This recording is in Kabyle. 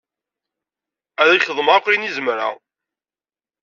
Ad ak-xedmeɣ akk ayen i zemreɣ.